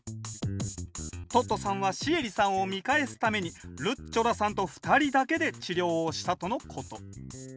トットさんはシエリさんを見返すためにルッチョラさんと２人だけで治療をしたとのこと。